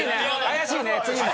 怪しいね次も。